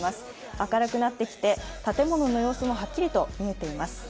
明るくなってきて、建物の様子もはっきりと見えています。